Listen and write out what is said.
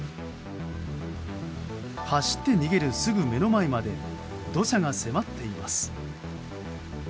走って逃げるすぐ目の前まで土砂が迫っています。